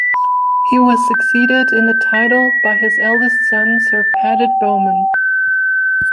He was succeeded in the title by his eldest son, Sir Paget Bowman.